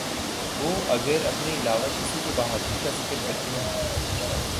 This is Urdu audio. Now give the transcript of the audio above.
وہ اگر اپنے علاوہ کسی کی بہادری کا ذکر کرتے ہیں۔